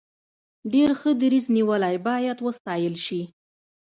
ډیر ښه دریځ نیولی باید وستایل شي.